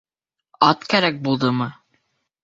Ат кәрәк булдымы?